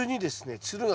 つるが